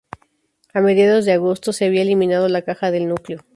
A mediados de agosto, se había eliminado la caja del núcleo.